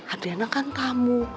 adriana kan tamu